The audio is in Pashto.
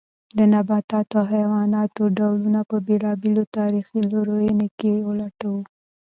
د نباتاتو او حیواناتو د ډولونو په بېلابېلو تاریخي لورینو کې ولټوو.